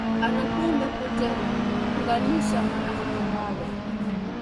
Anapenda kutenganisha marafiki wale